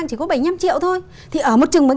chỉ có bảy mươi năm triệu thôi thì ở một trường mực